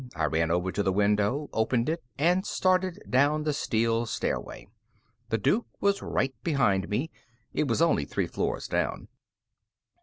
I ran over to the window, opened it, and started down the steel stairway. The Duke was right behind me. It was only three floors down.